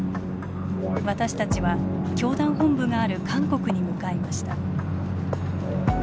私たちは教団本部がある韓国に向かいました。